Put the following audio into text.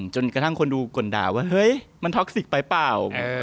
จนกระทั่งคนดูกลด่าว่าเฮ้ยมันท็อกซิกไปเปล่า